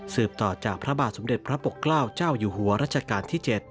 ต่อจากพระบาทสมเด็จพระปกเกล้าเจ้าอยู่หัวรัชกาลที่๗